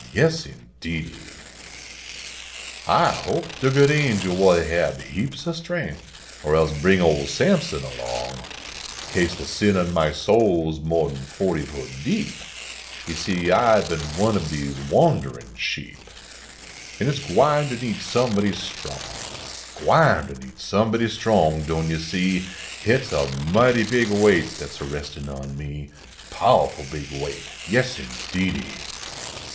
Yes, indeedy ! I hoj)e de good angel will hab heaps o strength, Or else bring old Sampson along, Kase the sin on my soul s mo en fo ty foot deep Yo see, I bin one ob dese wanderin sheep, An" hit s gwine ter need somebody strong, Gwine ter need somebody strong, doan yo see ; Hit s a mighty big weight dat s a restin on me. Pow ful big weight ! Yes, indeedy